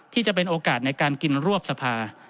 ที่จะเป็นโอกาสในการกินรวบสภา